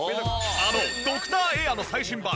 あのドクターエアの最新版